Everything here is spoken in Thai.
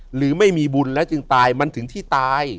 หรือไม่มีบุญแล้วจึงตายมันถึงที่ตาย